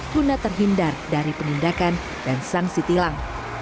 guna terhindar dari penindakan dan sanksi tilang